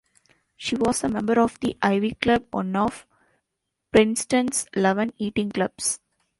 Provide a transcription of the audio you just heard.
She was a member of The Ivy Club, one of Princeton's eleven eating clubs.